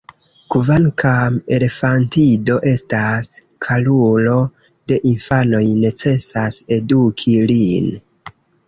Kvankam elefantido estas karulo de infanoj, necesas eduki lin.